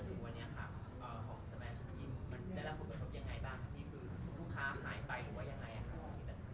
ที่คือลูกค้าหายไปหรือยังไง